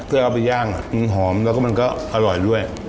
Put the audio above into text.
เพื่อเอาไปย่างหอมแล้วก็มันก็อร่อยด้วย